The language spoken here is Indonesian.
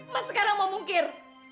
mas sekarang mau mungkir